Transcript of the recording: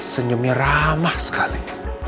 senyumnya ramah sekali